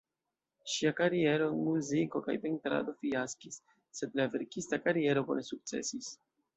Ŝia kariero en muziko kaj pentrado fiaskis, sed la verkista kariero bone sukcesis.